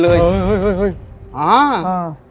หล่นลงมาสองแผ่นอ้าวหล่นลงมาสองแผ่น